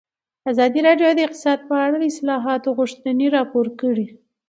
ازادي راډیو د اقتصاد په اړه د اصلاحاتو غوښتنې راپور کړې.